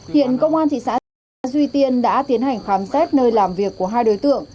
hiện công an thị xã duy tiên đã tiến hành khám xét nơi làm việc của hai đối tượng